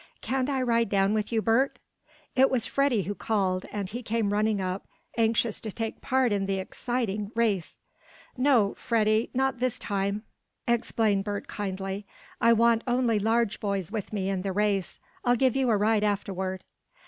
"Can't I ride down with you, Bert?" It was Freddie who called, and he came running up, anxious to take part in the exciting race. "No, Freddie, not this time," explained Bert kindly. "I want only large boys with me in the race. I'll give you a ride afterward."